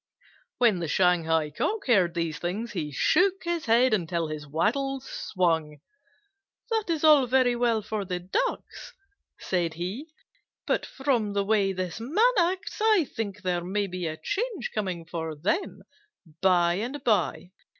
When the Shanghai Cock heard these things, he shook his head until his wattles swung. "That is all very well for the Ducks," said he, "but from the way this Man acts, I think there may be a change coming for them by and by.